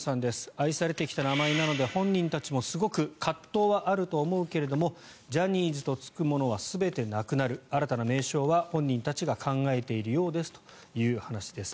愛されてきた名前なので本人たちもすごく葛藤はあると思うけれどジャニーズとつくものは全てなくなる新たな名称は本人たちが考えているようですという話です。